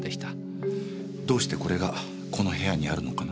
どうしてこれがこの部屋にあるのかな？